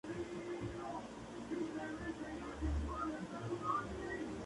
No hay descensos al ser la última categoría existente.